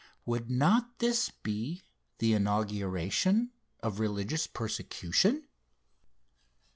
Would not this be the inauguration of religious persecution?